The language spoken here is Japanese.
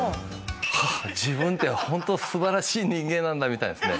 はあ自分ってホント素晴らしい人間なんだみたいなですね。